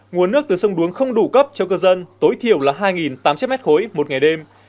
nguồn nước từ sông đuống không đủ cấp cho cư dân tối thiểu là hai tám trăm linh m ba một ngày đêm